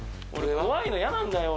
怖いの嫌なんだよ俺。